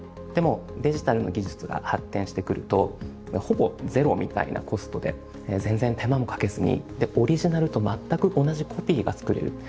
でもデジタルの技術が発展してくるとほぼゼロみたいなコストで全然手間もかけずにオリジナルと全く同じコピーが作れる。